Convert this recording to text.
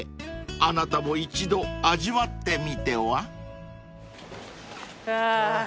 ［あなたも一度味わってみては］あぁー。